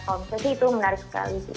kalau misalnya itu menarik sekali